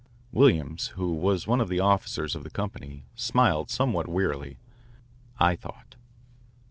Williams, who was one of the officers of the company, smiled somewhat wearily, I thought.